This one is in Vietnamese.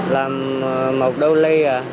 làm một đôi ly